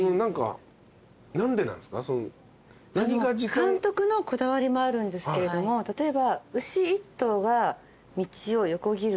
監督のこだわりもあるんですけれども例えば。